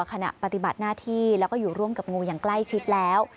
ขณะปฏิบัติหน้าที่แล้วก็อยู่ร่วมกับงูอย่างใกล้ชิดแล้ว